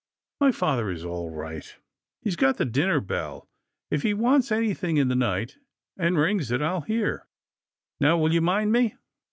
My father is all right. He's got the dinner bell. If he wants anything in the night, and rings it, I'll hear. Now will you mind me